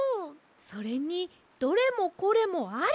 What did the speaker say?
それに「どれもこれもあり！」